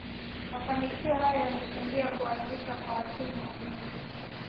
Mafanikio hayo yamechangia kuazishwa kwa timu nyingi